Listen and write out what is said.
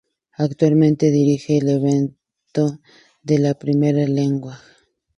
Actualmente dirige al Everton de la Premier League.